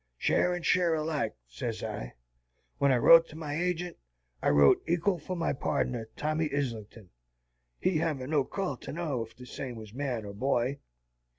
'Share, and share alike,' sez I. When I wrote to my agint, I wrote ekal for my pardner, Tommy Islington, he hevin no call to know ef the same was man or boy."